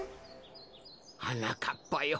はなかっぱよ。